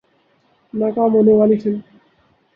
ناکام ہونے والی فلم